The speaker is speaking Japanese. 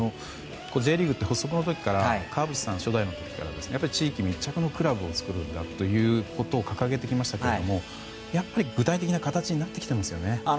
Ｊリーグって発足の時から川渕さんが初代の時から地域密着のクラブを作るんだということを掲げていましたけどやっぱり具体的な活動になってきていますよね。